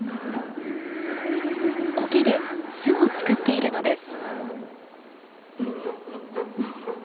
コケで巣を作っているのです。